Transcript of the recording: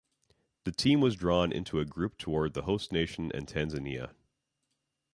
The team was drawn into a group against the host nation and Tanzania.